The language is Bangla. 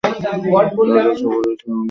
তার এ সফরের কারণে কেউ তাকে সন্দেহও করে না।